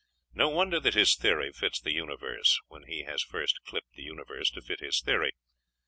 No wonder that his theory fits the universe, when he has first clipped the universe to fit his theory.